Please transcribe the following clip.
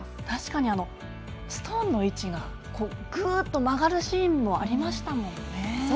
確かにストーンの位置がぐっと曲がるシーンもありましたもんね。